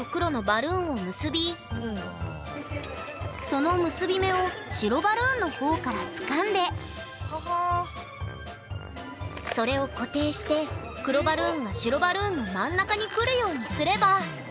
その結び目を白バルーンの方からつかんでそれを固定して黒バルーンを白バルーンの真ん中に来るようにすれば。